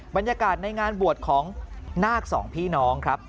บรรยากาศในงานบวชของนาคสองพี่น้องครับ